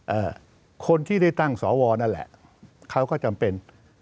เอ่อคนที่ได้ตั้งสวนั่นแหละเขาก็จำเป็น